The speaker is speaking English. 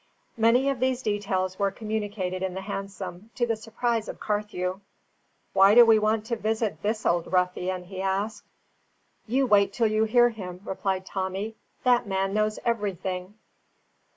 Many of these details were communicated in the hansom, to the surprise of Carthew. "Why do we want to visit this old ruffian?" he asked. "You wait till you hear him," replied Tommy. "That man knows everything."